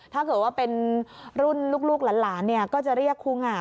ถ้าเกิดว่าเป็นรุ่นลูกหลานเนี่ยก็จะเรียกคุณอ่ะ